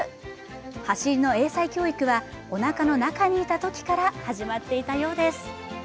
走りの英才教育はおなかのなかにいたときから始まっていたようです。